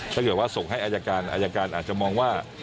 ถ้าเกิดว่าส่งให้อายการอายการอาจจะมองว่า